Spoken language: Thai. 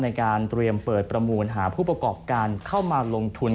ในการเตรียมเปิดประมูลหาผู้ประกอบการเข้ามาลงทุน